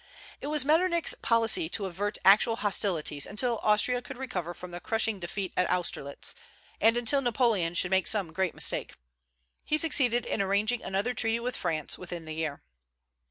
It was Metternich's policy to avert actual hostilities until Austria could recover from the crushing defeat at Austerlitz, and until Napoleon should make some great mistake. He succeeded in arranging another treaty with France within the year.